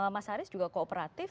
mas haris juga kooperatif